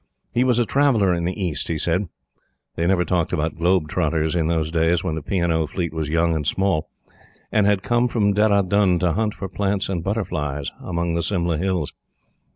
He was a traveller in the East, he said they never talked about "globe trotters" in those days, when the P. & O. fleet was young and small and had come from Dehra Dun to hunt for plants and butterflies among the Simla hills.